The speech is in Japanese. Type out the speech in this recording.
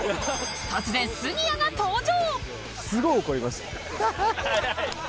突然杉谷が登場！